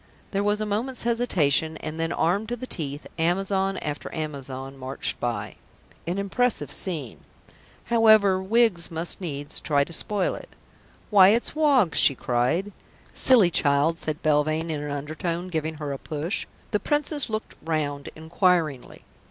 There was a moment's hesitation, and then, armed to the teeth, Amazon after Amazon marched by. ... An impressive scene. ... However, Wiggs must needs try to spoil it. "Why, it's Woggs!" she cried. "Silly child!" said Belvane in an undertone, giving her a push. The Princess looked round inquiringly.